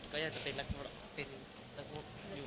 ก็อยากจะเป็นลักษณ์มาก่อน